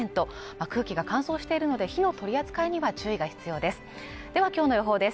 空気が乾燥しているので火の取り扱いには注意が必要ですではきょうの予報です